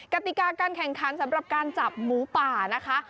กติกาการแข่งขันสำหรับการจับหมูป่านะคะ